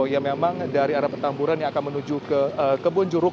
yang memang dari arah petamburan yang akan menuju ke kebun juruk